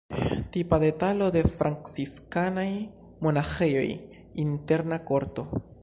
Tipa detalo de franciskanaj monaĥejoj: interna korto.